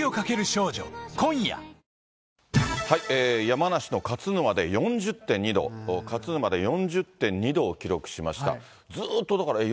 山梨の勝沼で４０．２度、勝沼で４０．２度を記録しました。